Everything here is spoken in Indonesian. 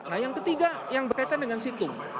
nah yang ketiga yang berkaitan dengan situng